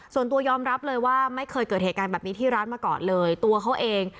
ส่วนตัวยอมรับเลยว่าไม่เคยเกิดเหตุการณ์แบบนี้ที่ร้านมาก่อนเลยตัวเขาเอง